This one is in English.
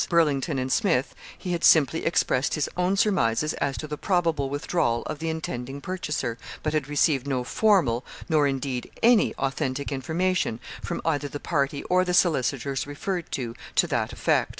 Burlington and Smith, he had simply expressed his own surmises as to the probable withdrawal of the intending purchaser, but had received no formal, nor, indeed, any authentic information, from either the party or the solicitors referred to, to that effect.